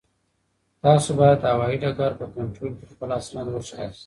تاسو باید د هوایي ډګر په کنټرول کې خپل اسناد وښایئ.